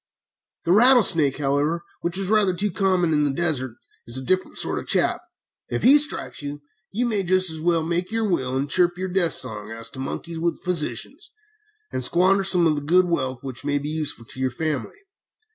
The rattlesnake, however, which is rather too common in the desert, is a different sort of a chap. If he strikes you, you may just as well make your will, and chirp your death song, as to monkey with physicians, and squander some of the good wealth which may be useful to your family."